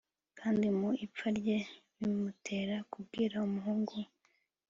kandi mu ipfa rye bimutera kubwira umuhungu we